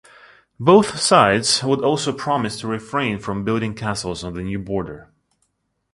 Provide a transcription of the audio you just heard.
Both sides would also promise to refrain from building castles on the new border.